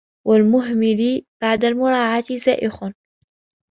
وَالْمُهْمِلَ بَعْدَ الْمُرَاعَاةِ زَائِغٌ